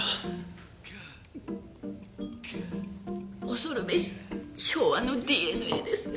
恐るべし昭和のＤＮＡですね。